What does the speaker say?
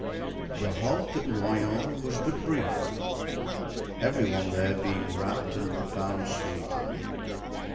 The halt at Noyon was but brief, every one there being wrapped in profound sleep.